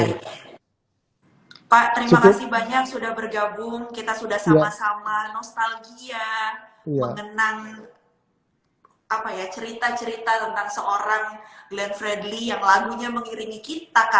pak terima kasih banyak sudah bergabung kita sudah sama sama nostalgia mengenang apa ya cerita cerita tentang seorang musisi